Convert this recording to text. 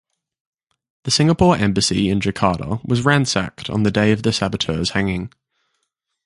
The Singapore Embassy in Jakarta was ransacked on the day of the saboteurs' hanging.